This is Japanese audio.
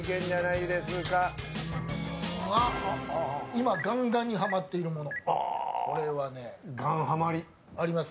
今ガンガンにハマっているもの。